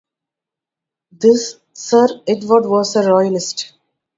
This Sir Edward was a royalist.